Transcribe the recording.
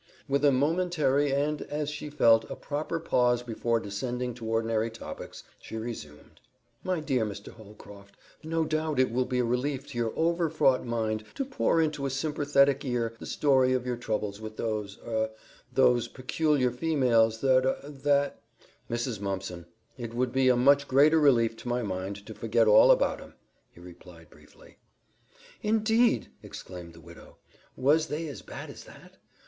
With a momentary, and, as she felt, a proper pause before descending to ordinary topics, she resumed, "My dear Mr. Holcroft, no doubt it will be a relief to your overfraught mind to pour into a symperthetic ear the story of your troubles with those er those peculiar females that er that " "Mrs. Mumpson, it would be a much greater relief to my mind to forget all about 'em," he replied briefly. "INDEED!" exclaimed the widow. "Was they as bad as that?